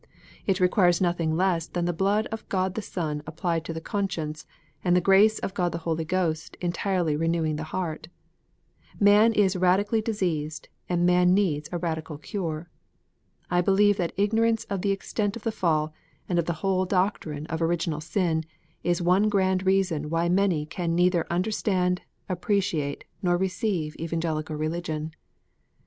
It requires nothing less than the blood of God the Son applied to the conscience, and the grace of God the Holy Ghost entirely renewing the heart. Man is radically diseased, and man needs a radical cure. I believe that igno rance of the extent of the fall, and of the whole doctrine of original sin, is one grand reason why many can neither under stand, appreciate, nor receive Evangelical Religion.